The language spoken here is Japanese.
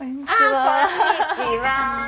ああこんにちは。